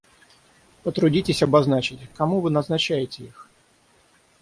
Потрудитесь обозначить, кому вы назначаете их?